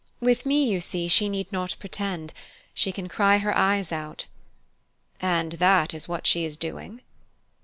With me, you see, she need not pretend she can cry her eyes out." "And that is what she is doing?"